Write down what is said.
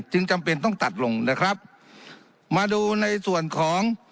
จำเป็นต้องตัดลงนะครับมาดูในส่วนของ